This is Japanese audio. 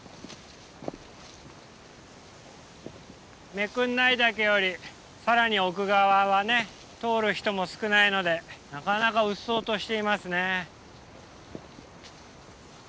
目国内岳より更に奥側はね通る人も少ないのでなかなかうっそうとしていますね。